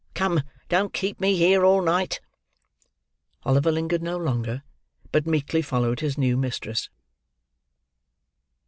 Come; don't keep me here all night!" Oliver lingered no longer, but meekly followed his new mistress.